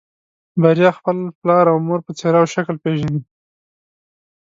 بريا خپل پلار او مور په څېره او شکل پېژني.